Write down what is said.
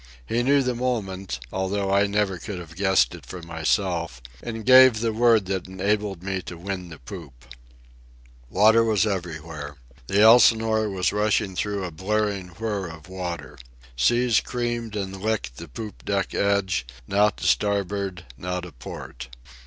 He knew the moment, although I never could have guessed it for myself, and gave the word that enabled me to win the poop. Water was everywhere. The Elsinore was rushing through a blurring whirr of water. Seas creamed and licked the poop deck edge, now to starboard, now to port.